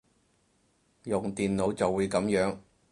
用電腦就會噉樣